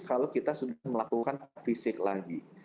kalau kita sudah melakukan fisik lagi